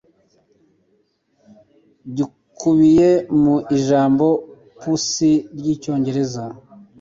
gikubiye mu ijambo pussy ry'Icyongereza